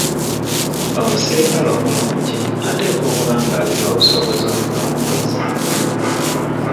Omusirikale omulungi ateekwa okuba ng'alina obusobozi okunoonyereza.